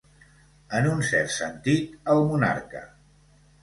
En un cert sentit, el monarca.